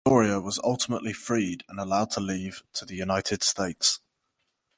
Victoria was ultimately freed and allowed to leave to the United States.